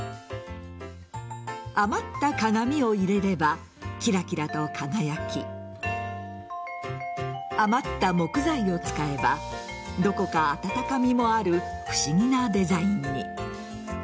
余った鏡を入れればキラキラと輝き余った木材を使えばどこか温かみもある不思議なデザインに。